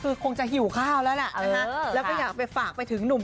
คือคงจะหิวข้าวแล้วแหละนะคะแล้วก็อยากไปฝากไปถึงหนุ่ม